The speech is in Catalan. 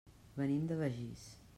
Venim de Begís.